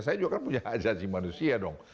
saya juga kan punya hak asasi manusia dong